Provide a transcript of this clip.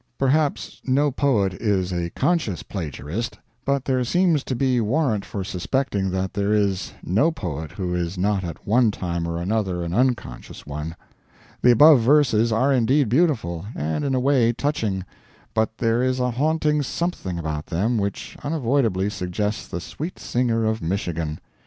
Perhaps no poet is a conscious plagiarist; but there seems to be warrant for suspecting that there is no poet who is not at one time or another an unconscious one. The above verses are indeed beautiful, and, in a way, touching; but there is a haunting something about them which unavoidably suggests the Sweet Singer of Michigan.